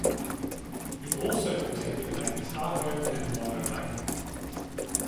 He also protected Lake Tahoe and Mono Lake.